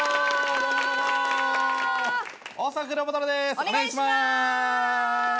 お願いします。